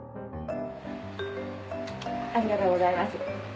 ありがとうございます。